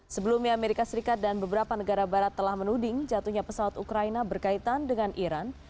sebelumnya amerika serikat dan beberapa negara barat telah menuding jatuhnya pesawat ukraina berkaitan dengan iran